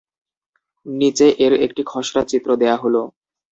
নিচে এর একটি খসড়া চিত্র দেয়া হল।